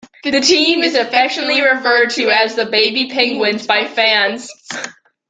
The team is affectionately referred to as "The Baby Penguins" by fans.